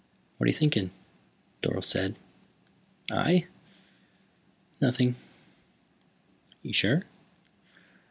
"What are you thinking?" Dorle said. "I? Nothing." "Are you sure?"